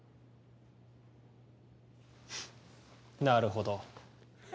なるほど。